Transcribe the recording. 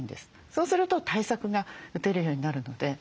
そうすると対策が打てるようになるので。